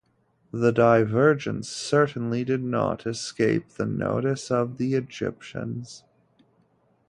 The divergence certainly did not escape the notice of the Egyptians.